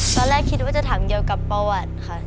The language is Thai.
ตอนแรกคิดว่าจะถังเดียวกับประวัติค่ะ